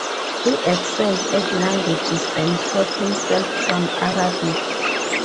He excelled at languages and taught himself some Arabic.